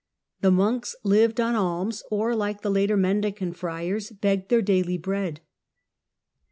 The monks lived on alms, or, like the later Mendicant Friars, begged their daily bread.